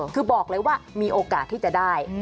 คือบอกเลยว่ามีโอกาสที่จะได้